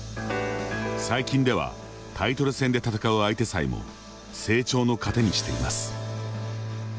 最近では、タイトル戦で戦う相手さえも成長の糧にしています。